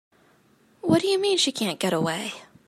What do you mean she can't get away?